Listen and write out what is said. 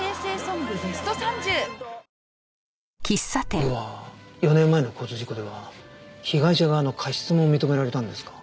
では４年前の交通事故では被害者側の過失も認められたんですか？